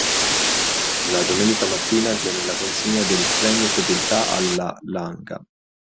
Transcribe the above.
La domenica mattina avviene la consegna del "Premio Fedeltà alla Langa".